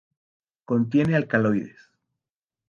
Contiene alcaloides.